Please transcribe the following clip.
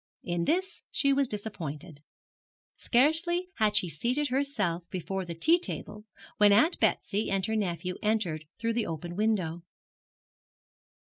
In this she was disappointed. Scarcely had she seated herself before the tea table when Aunt Betsy and her nephew entered through the open window.